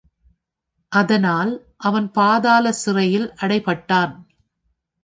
அதனால், அவன் பாதாளச்சிறையில் அடைபட்டான்.